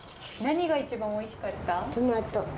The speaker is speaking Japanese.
何が一番おいしかった？